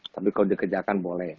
tapi kalau dikerjakan boleh